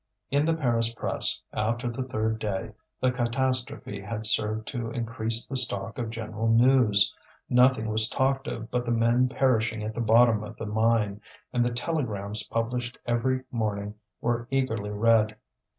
In the Paris press, after the third day, the catastrophe had served to increase the stock of general news; nothing was talked of but the men perishing at the bottom of the mine, and the telegrams published every morning were eagerly read.